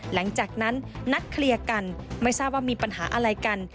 หลังจากนั้นนัดเคลียร์กันไม่ทราบว่ามีปัญหาอะไรกัน